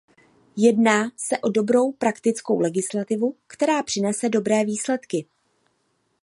Jedná se o dobrou, praktickou legislativu, která přinese dobré výsledky.